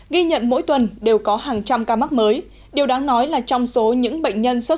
ghi nhận mỗi tuần đều có hàng trăm ca mắc mới điều đáng nói là trong số những bệnh nhân sốt